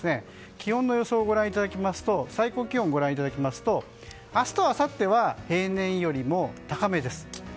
気温の予想をご覧いただきますと最高気温は明日とあさっては平年よりも高めです。